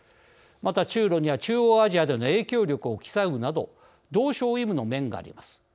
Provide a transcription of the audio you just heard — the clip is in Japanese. また中ロには中央アジアでの影響力を競うなど同床異夢の面があります。